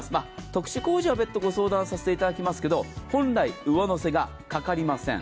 特殊工事は別途ご相談させていただきますが、本来、上乗せがかかりません。